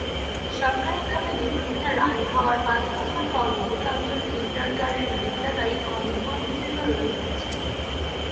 সরকারিভাবে নিবন্ধনের আইন হওয়ার পাঁচ বছর পরও অধিকাংশ কিন্ডারগার্টেন বিদ্যালয়ই অনিবন্ধিত রয়ে গেছে।